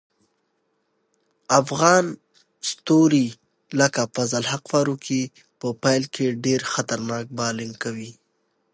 افغان ستوري لکه فضل الحق فاروقي په پیل کې ډېر خطرناک بالینګ کوي.